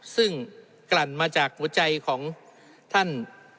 ซึ่งกลั่นมาจากหัวใจของท่าน